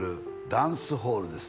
「ダンスホール」です